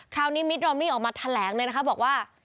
คราวนี้มิทรอมนี่ออกมาแถลงเลยนะคะบอกว่า